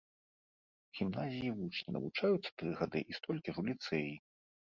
У гімназіі вучні навучаюцца тры гады і столькі ж у ліцэі.